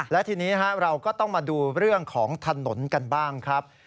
และทีนี้เราก็ต้องมาดูเรื่องของถนนกันบ้างครับ